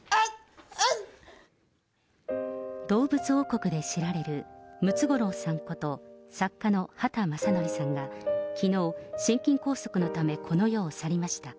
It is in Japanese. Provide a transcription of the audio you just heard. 動物王国で知られる、ムツゴロウさんこと、作家の畑正憲さんが、きのう、心筋梗塞のため、この世を去りました。